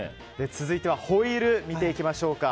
続いてはホイール見ていきましょうか。